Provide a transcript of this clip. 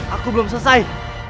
aku belum selesai